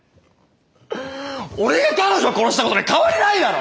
俺が彼女殺したことに変わりないだろ！